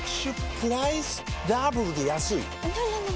プライスダブルで安いＮｏ！